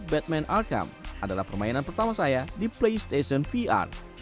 batman arcam adalah permainan pertama saya di playstation vr